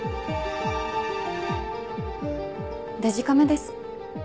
デジカメです。